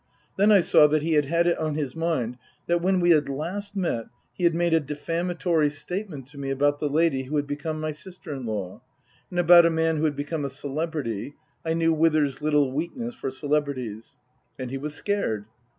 Then I saw that he had had it on his mind that when we had last met he had made a defamatory statement to me about the lady who had become my sister in law, and about a man who had become a cele brity (I knew Withers's little weakness for celebrities). And he was scared.